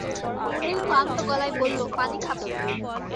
মুনির ক্লান্ত গলায় বলল, পানি খাব।